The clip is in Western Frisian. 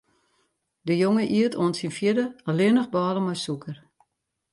De jonge iet oant syn fjirde allinnich bôle mei sûker.